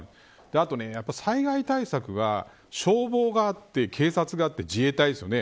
あと災害対策が消防があって警察があって自衛隊ですよね。